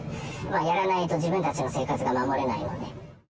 やらないと自分たちの生活が守れないので。